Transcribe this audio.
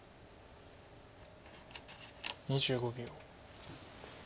２５秒。